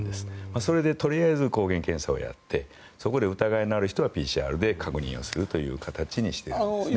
それでとりあえず抗原検査をやってそこで疑いがある人はＰＣＲで確認するような形にしているんです。